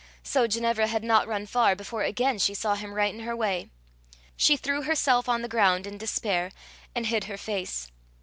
So Ginevra had not run far before again she saw him right in her way. She threw herself on the ground in despair, and hid her face.